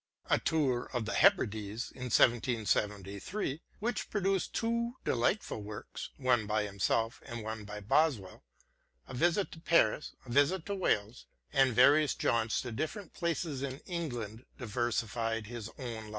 A tour to the Hebrides in 1773 — which pro duced two delightful works, one by himself and one by Boswell — a visit to Paris, a visit to Wales, and various jaunts to different places in England • Boswell's " Life of Johnson."